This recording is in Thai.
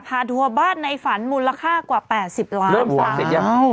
พาทัวร์บ้านในฝันมูลค่ากว่าแปดสิบล้านเริ่มหวานเสร็จยังอ้าว